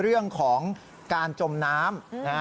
เรื่องของการจมน้ำ